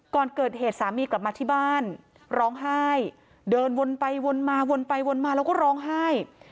ก่อนเกิดเหตุสามีกลับมาที่บ้านร้องไห้เดินวนไปวนมาวนไปวนมาแล้วก็ร้องไห้